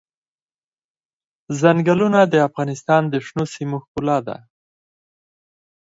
ځنګلونه د افغانستان د شنو سیمو ښکلا ده.